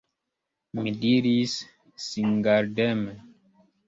Mi diris, singardeme!